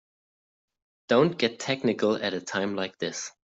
Don't get technical at a time like this.